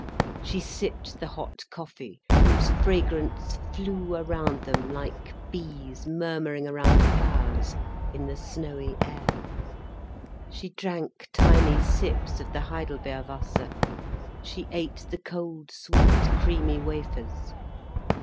She sipped the hot coffee, whose fragrance flew around them like bees murmuring around flowers, in the snowy air, she drank tiny sips of the Heidelbeerwasser, she ate the cold, sweet, creamy wafers.